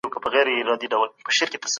سندرې د تمرکز لپاره اغېزمنې دي.